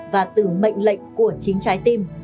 và từ mệnh lệnh của chính trái tim